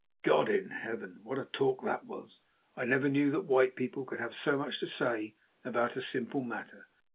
God in Heaven! what a talk that was. I never knew that white people could have so much to say about a simple matter.